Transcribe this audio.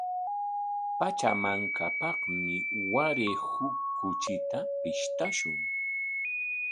Pachamankapaqmi waray huk kuchita pishqashun.